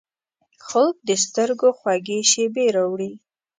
خوب د سترګو خوږې شیبې راوړي